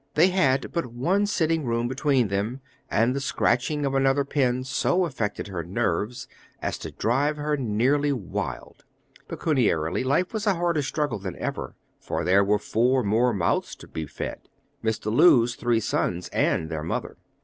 They had but one sitting room between them, and the scratching of another pen so affected her nerves, as to drive her nearly wild. Pecuniarily, life was a harder struggle than ever, for there were four more mouths to be fed, Mr. Lewes' three sons and their mother.